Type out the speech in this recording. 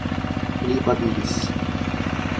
Ili babilis.